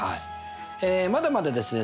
まだまだですね